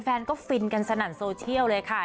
แฟนก็ฟินกันสนั่นโซเชียลเลยค่ะ